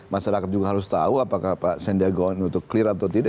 masyarakat juga harus tahu apakah pak sandiaga uno itu clear atau tidak